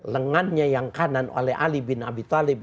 lengannya yang kanan oleh ali bin abi talib